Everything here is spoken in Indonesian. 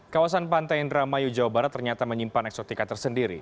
kawasan pantai indramayu jawa barat ternyata menyimpan eksotika tersendiri